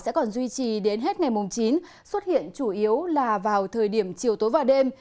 sẽ còn duy trì đến hết ngày mùng chín xuất hiện chủ yếu là vào thời điểm chiều tối và đêm